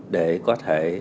để có thể